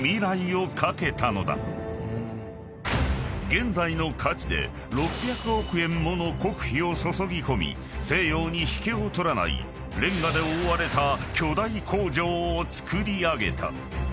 ［現在の価値で６００億円もの国費を注ぎ込み西洋に引けを取らないレンガで覆われた巨大工場を造り上げた］